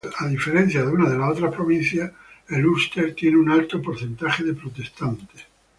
A diferencia de las otras provincias, Ulster tiene un alto porcentaje de protestantes.